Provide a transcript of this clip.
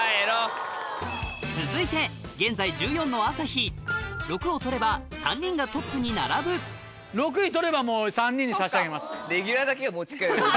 続いて現在１４の朝日６を取れば３人がトップに並ぶ６位取ればもう３人に差し上げます。